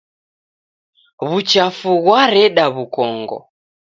Wuchafu ghwareda wukongo.